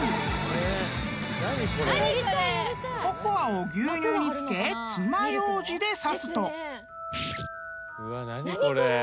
［ココアを牛乳に漬けつまようじで刺すと］